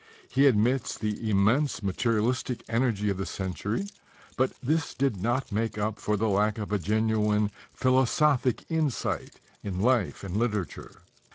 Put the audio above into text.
He admits the immense materialistic energy of the century, but this did not make up for the lack of a genuine philosophic insight in life and literature.